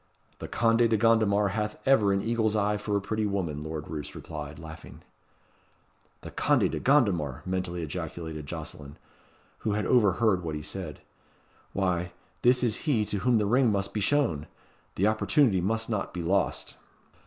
"The Conde de Gondomar hath ever an eagle's eye for a pretty woman," Lord Roos replied, laughing. "The Conde de Gondomar!" mentally ejaculated Jocelyn, who had overheard what he said. "Why, this is he to whom the ring must be shown. The opportunity must not be lost."